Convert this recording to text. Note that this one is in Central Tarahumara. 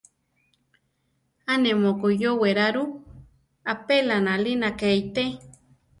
A ne mokoyówe ra ru, apéla nalína ké ité.